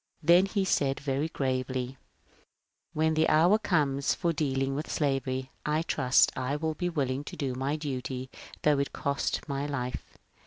Then he said very gravely, ^ When the hour comes for dealing with slavery I trust I will be willing to do my duty though it cost my life.